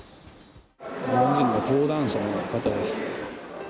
日本人の登壇者の方です。